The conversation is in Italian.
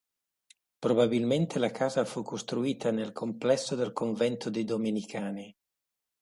Probabilmente la casa fu costruita nel complesso del convento dei domenicani.